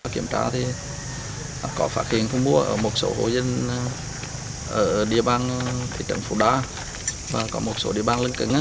kiểm tra thì có phá kiến không mua ở một số hộ dân ở địa bàn thị trấn phú đa và có một số địa bàn lưng cứng